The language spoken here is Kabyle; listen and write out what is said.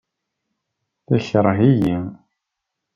Tekreḥ-iyi?